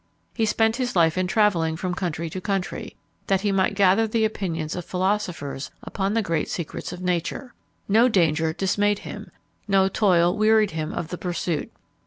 He spent his life in travelling from country to country, that he might gather the opinions of philosophers upon the great secrets of nature. No danger dismayed him; no toil wearied him of the pursuit.